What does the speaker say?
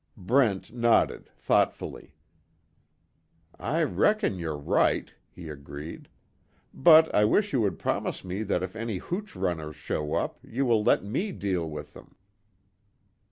Brent nodded, thoughtfully; "I reckon you're right," he agreed, "But, I wish you would promise me that if any hooch runners show up, you will let me deal with them."